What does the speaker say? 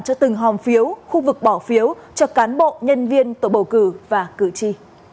cho từng hòm phiếu khu vực bỏ phiếu cho cán bộ nhân viên tổ bầu cử và cử tri